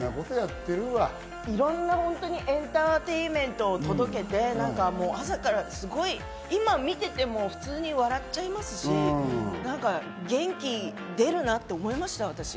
いろんなエンターテインメントを届けて、朝からすごい今見てても普通に笑っちゃいますし、何か元気出るなって思いました、私。